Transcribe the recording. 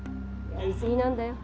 やりすぎなんだよ。